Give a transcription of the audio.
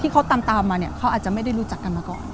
เขาตามมาเนี่ยเขาอาจจะไม่ได้รู้จักกันมาก่อน